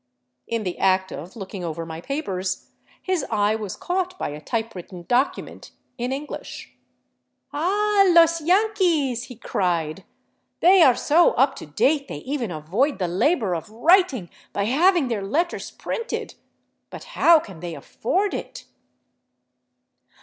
In the act of looking over my papers, his eye was caught by a typewritten document in English. " Ah, los yanquis !" he cried. " They are so up to date they even avoid the labor of writing by having their letters printed. But how can they afiford it